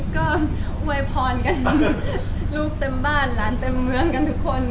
ก็อวยพรกันลูกเต็มบ้านหลานเต็มเมืองกันทุกคน